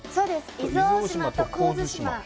伊豆大島と神津島。